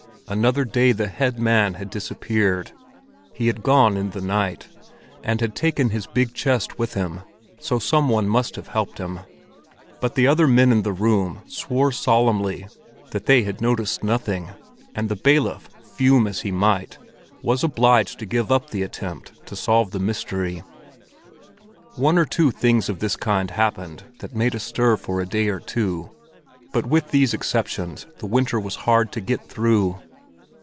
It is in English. Another day the head man had disappeared. He had gone in the night, and had taken his big chest with him, so some one must have helped him; but the other men in the room swore solemnly that they had noticed nothing, and the bailiff, fume as he might, was obliged to give up the attempt to solve the mystery. One or two things of this kind happened that made a stir for a day or two, but with these exceptions the winter was hard to get through.